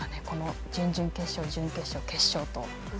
この準々決勝、準決勝、決勝と。